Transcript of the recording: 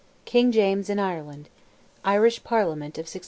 KING JAMES IN IRELAND—IRISH PARLIAMENT OF 1689.